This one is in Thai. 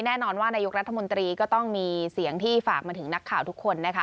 แน่นอนว่านายกรัฐมนตรีก็ต้องมีเสียงที่ฝากมาถึงนักข่าวทุกคนนะคะ